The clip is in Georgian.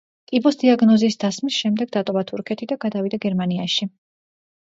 კიბოს დიაგნოზის დასმის შემდეგ, დატოვა თურქეთი და გადავიდა გერმანიაში.